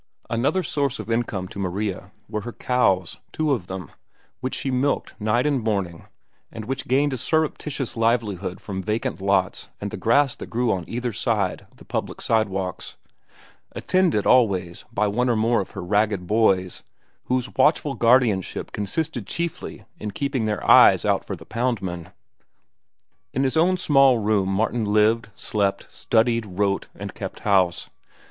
Another source of income to Maria were her cows, two of them, which she milked night and morning and which gained a surreptitious livelihood from vacant lots and the grass that grew on either side the public side walks, attended always by one or more of her ragged boys, whose watchful guardianship consisted chiefly in keeping their eyes out for the poundmen. In his own small room Martin lived, slept, studied, wrote, and kept house.